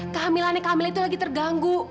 kehamilannya kehamilan itu lagi terganggu